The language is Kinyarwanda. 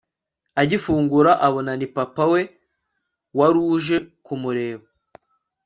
agifungura abona ni papa we waruje kumureba